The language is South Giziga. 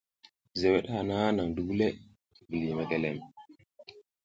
Zeweɗ hana naƞ digule, vuliy mekelem.